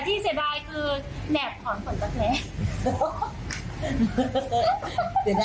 เออถ้าใช้ไม่ได้ใช้ไม่เป็นก็เอามาคืนนะคะเสียดาย